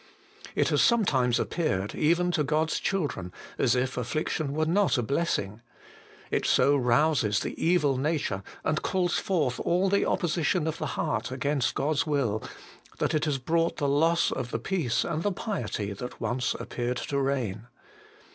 It has sometimes appeared, even to God's chil dren, as if affliction were not a blessing : it so rouses the evil nature, and calls forth all the opposition of the heart against God's .will, that it has brought the loss of the peace and the piety that once appeared to reign.